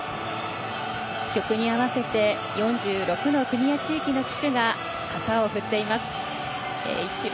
曲に合わせて４６の国や地域の旗手が旗を振っています。